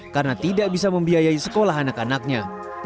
karena tidak bisa membiayai sekolah anak anaknya